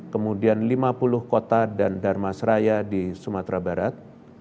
kemudian lima puluh kota dan darmasraya di sumatera barat